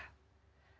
harusnya merasa salah